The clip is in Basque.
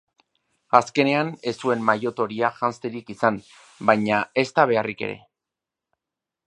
Azkenean ez zuen maillot horia janzterik izan baina ezta beharrik ere!